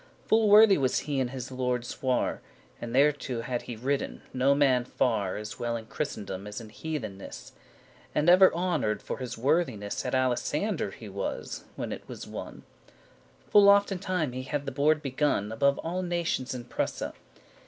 Full worthy was he in his Lorde's war, And thereto had he ridden, no man farre*, *farther As well in Christendom as in Heatheness, And ever honour'd for his worthiness At Alisandre <6> he was when it was won. Full often time he had the board begun Above alle nations in Prusse.